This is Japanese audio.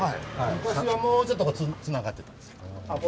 昔はもうちょっとつながってたんですけど。